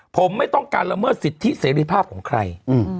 ผมไม่ต้องการละเมิดสิทธิเสรีภาพของใคร